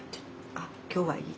あっ今日はいい」。